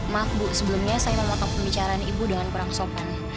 maaf bu sebelumnya saya memotong pembicaraan ibu dengan kurang sopan